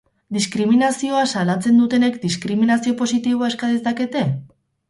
Diskriminazioa salatzen dutenek diskriminazio positiboa eska dezakete?